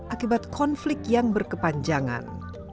akibat konflik yang berkepanjangan